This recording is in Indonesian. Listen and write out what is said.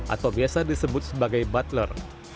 atau biasa disebut sebagai butler